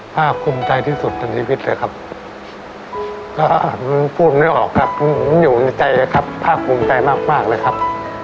พ่อคุ้มใจที่สุดอย่างชีวิตเลยครับก็พูดไม่ออกครับพ่ออยู่ในใจนะครับพ่อคุ้มใจมากนะครับ